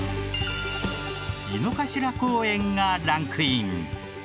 井の頭公園がランクイン。